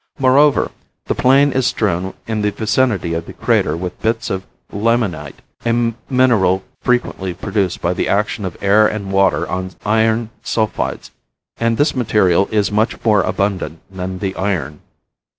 Moreover, the plain is strewn in the vicinity of the crater with bits of limonite, a mineral frequently produced by the action of air and water on iron sulphides, and this material is much more abundant than the iron.